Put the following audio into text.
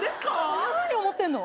そんなふうに思ってんの？